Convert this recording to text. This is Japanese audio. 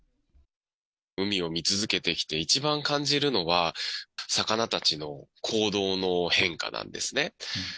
海を見続けてきて、一番感じるのは、魚たちの行動の変化なんですね。